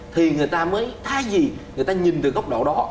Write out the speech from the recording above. thì người ta mới thay gì người ta nhìn từ góc độ đó